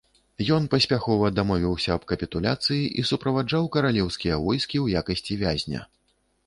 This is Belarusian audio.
Ён паспяхова дамовіўся аб капітуляцыі і суправаджаў каралеўскія войскі ў якасці вязня.